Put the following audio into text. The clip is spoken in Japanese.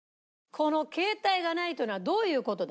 この携帯がないというのはどういう事だと。